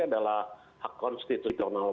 adalah hak konstitusional